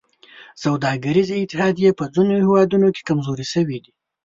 سوداګریزې اتحادیې په ځینو هېوادونو کې کمزورې شوي دي